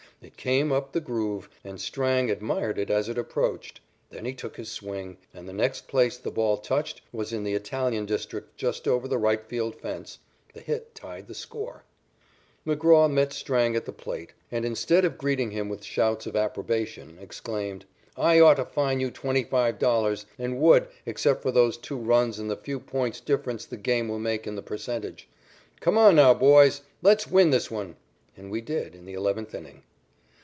It came up the "groove," and Strang admired it as it approached. Then he took his swing, and the next place the ball touched was in the Italian district just over the right field fence. The hit tied the score. McGraw met Strang at the plate, and instead of greeting him with shouts of approbation, exclaimed: "I ought to fine you $25, and would, except for those two runs and the few points' difference the game will make in the percentage. Come on now, boys. Let's win this one." And we did in the eleventh inning.